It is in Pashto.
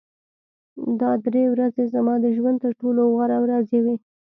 دا درې ورځې زما د ژوند تر ټولو غوره ورځې وې